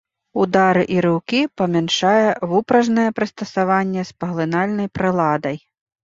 Удары і рыўкі памяншае вупражнае прыстасаванне з паглынальнай прыладай.